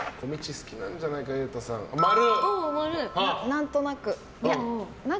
何となく。